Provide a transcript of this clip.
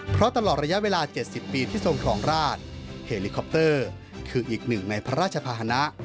เพราะตลอดระยะเวลา๗๐ปีที่ทรงครองราชเฮลิคอปเตอร์คืออีกหนึ่งในพระราชภาษณะ